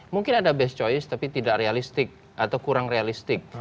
mungkin ada best choice tapi tidak realistik atau kurang realistik